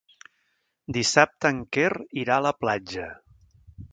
Dissabte en Quer irà a la platja.